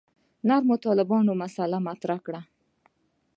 نرمو طالبانو مسأله مطرح کړه.